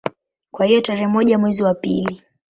Kwa hiyo tarehe moja mwezi wa pili